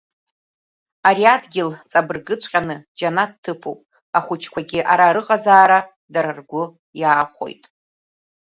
Ари адгьыл ҵабыргыҵәҟьаны џьанаҭ ҭыԥуп, ахәыҷқәагьы ара рыҟазаара даара ргәы иаахәоит.